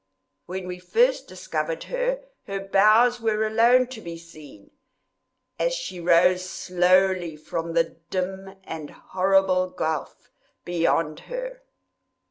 When we first discovered her, her bows were alone to be seen, as she rose slowly from the dim and horrible gulf beyond her.